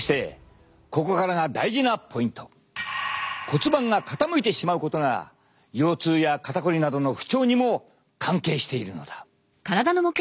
骨盤が傾いてしまうことが腰痛や肩こりなどの不調にも関係しているのだ。